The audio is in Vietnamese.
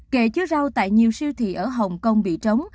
kệ chứa rau tại nhiều siêu thị ở hồng kông bị trống